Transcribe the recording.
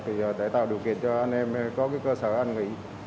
thì để tạo điều kiện cho anh em có cơ sở an nghỉ